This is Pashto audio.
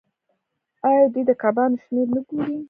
آیا دوی د کبانو شمیر نه ګوري؟